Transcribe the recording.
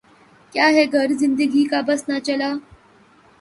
کیا ہے گر زندگی کا بس نہ چلا